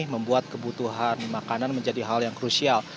membuat kebutuhan makanan menjadi hal yang krusial